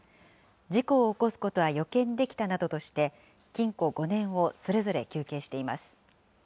事故を起こすことは予見できたなどとして、禁錮５年をそれぞれ求刑しています。